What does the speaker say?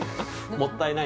もったいない。